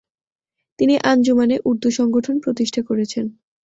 তিনি আঞ্জুমানে উর্দু সংগঠন প্রতিষ্ঠা করেছেন।